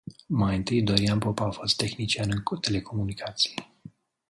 Mai întâi, Dorian Popa a fost tehnician în telecomunicații.